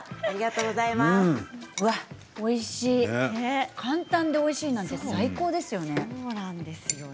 うわ、おいしい簡単でおいしいなんて最高ですよね。